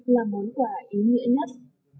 là món quà ý nghĩa nhất